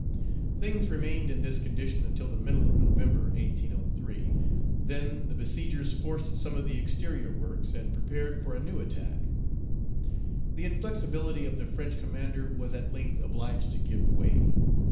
Things remained in this condition until the middle of November (1803); then the besiegers forced some of the exterior works, and prepared for a new attack. The inflexibility of the French commander was at length obliged to give way.